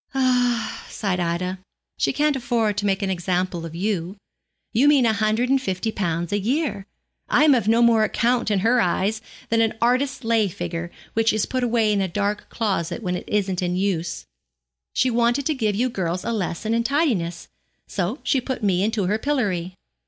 'Ah!' sighed Ida, 'she can't afford to make an example of you. You mean a hundred and fifty pounds a year. I am of no more account in her eyes than an artist's lay figure, which is put away in a dark closet when it isn't in use. She wanted to give you girls a lesson in tidiness, so she put me into her pillory.